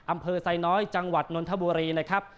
อำเภอไซน้อยจังหวัดนนทบุรีนะครับ